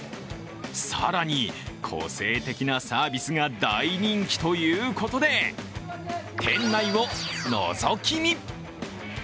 更に、個性的なサービスが大人気ということで店内をのぞき見。